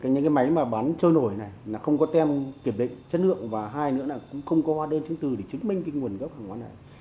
những máy mà bán trôi nổi này không có tem kiểm định chất lượng và hai nữa là không có hoa đen chứng từ để chứng minh nguồn gốc hàng hoa này